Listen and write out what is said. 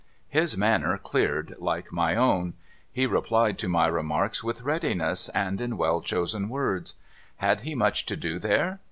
His manner cleared, like my own. He rephed to my remarks with readiness, and in well chosen words. Had he much to do there?